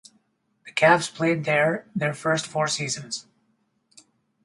The Cavs played there their first four seasons.